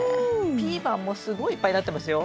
ピーマンもすごいいっぱいなってますよ。